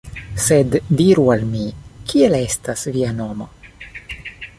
Sed diru al mi, kiel estas via nomo?